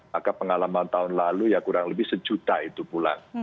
maka pengalaman tahun lalu ya kurang lebih sejuta itu pulang